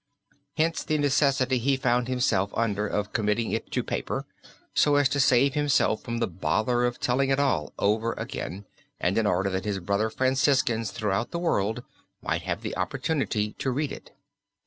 Hence the necessity he found himself under of committing it to paper, so as to save himself from the bother of telling it all over again, and in order that his brother Franciscans throughout the world might have the opportunity to read it.